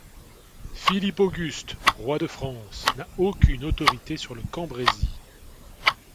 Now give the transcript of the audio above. Philippe Auguste, roi de France, n'a aucune autorité sur le Cambrésis.